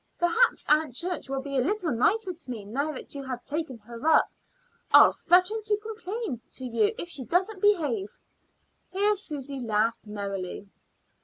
Perhaps Aunt Church will be a little nicer to me now that you have taken her up. I'll threaten to complain to you if she doesn't behave." Here Susy laughed merrily.